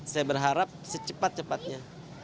saya berharap secepat cepatnya